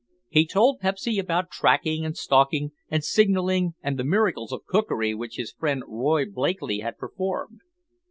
He told Pepsy about tracking and stalking and signaling and the miracles of cookery which his friend Roy Blakeley had performed.